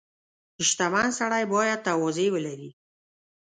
• شتمن سړی باید تواضع ولري.